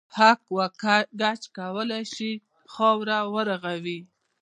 اهک او ګچ کولای شي خاوره و رغوي.